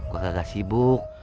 gue gak sibuk